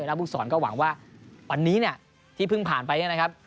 อุณหภูมิสอนก็หวังว่าวันนี้เนี่ยที่เพิ่งผ่านไปนะครับ